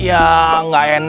ya nggak enaklah saya mau naik